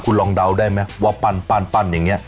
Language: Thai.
คุณลองเดาได้ไหมว่าปั่นปั่นปั่นอย่างเงี้ย